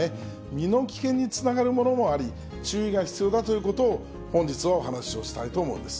身の危険につながるものもあり、注意が必要だということを、本日はお話をしたいと思うんです。